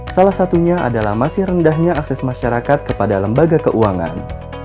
salah satunya adalah masih rendahnya akses masyarakat kepada lembaga keuangan